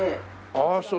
ああそう。